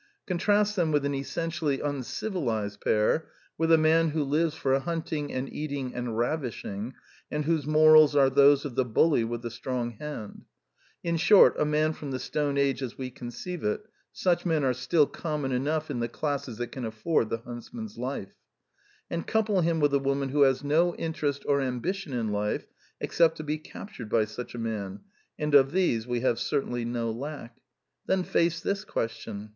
Contrast them with an essentially uncivilized pair, with a man who lives for hunting and eating and ravishing, and whose morals are those of the bully with the strong hand : in short, a man from the Stone Age as we conceive it (such men are still common enough in the classes that can afford the huntsman's life) ; and couple him with a woman who has no interest or ambition in life except to be captured by such a man (and of these we have certainly no. lack) . Then face this question.